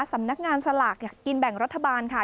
สำนักงานสลากกินแบ่งรัฐบาลค่ะ